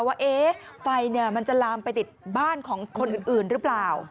ว่าไฟมันจะลามไปติดบ้านของคนอื่นหรือเปล่า